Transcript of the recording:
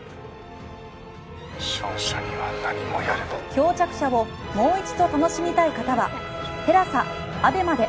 『漂着者』をもう一度楽しみたい方は ＴＥＬＡＳＡＡＢＥＭＡ で